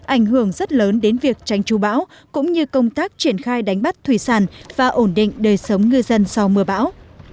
ảnh hưởng rất lớn đến việc tranh tru bão cũng như công tác triển khai đánh bắt thủy sản và ổn định đời sống ngư dân sau mưa bão